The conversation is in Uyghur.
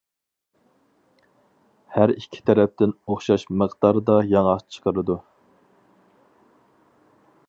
ھەر ئىككى تەرەپتىن ئوخشاش مىقداردا ياڭاق چىقىرىدۇ.